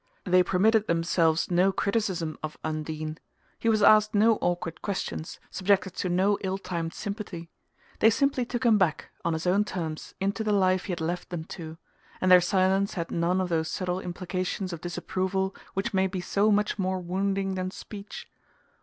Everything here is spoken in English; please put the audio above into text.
They permitted themselves no criticism of Undine; he was asked no awkward questions, subjected to no ill timed sympathy. They simply took him back, on his own terms, into the life he had left them to; and their silence had none of those subtle implications of disapproval which may be so much more wounding than speech.